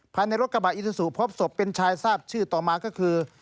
ภายในรถกระบะอิซูซูพบศพเป็นชายทราบชื่อต่อมาก็คือ